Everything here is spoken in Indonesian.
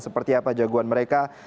seperti apa jagoan mereka